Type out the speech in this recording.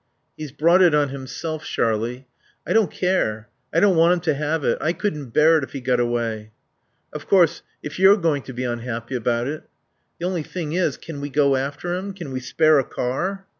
"He's brought it on himself, Sharlie." "I don't care. I don't want him to have it. I couldn't bear it if he got away." "Of course, if you're going to be unhappy about it " "The only thing is, can we go after him? Can we spare a car?"